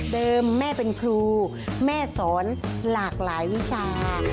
แม่เป็นครูแม่สอนหลากหลายวิชา